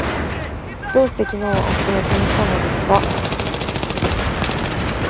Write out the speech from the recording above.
どうして昨日はお休みしたのですか？